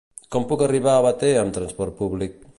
Com puc arribar a Batea amb trasport públic?